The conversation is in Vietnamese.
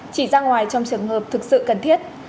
chỉ ra ngoài trong trường hợp thực sự cần thiết